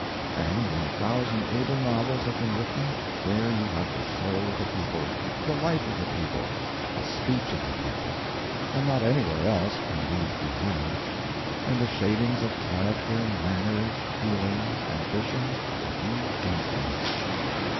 And when a thousand able novels have been written, there you have the soul of the people, the life of the people, the speech of the people; and not anywhere else can these be had. And the shadings of character, manners, feelings, ambitions, will be infinite.